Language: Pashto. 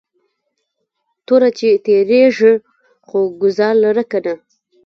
توره چې تیرېږي خو گزار لره کنه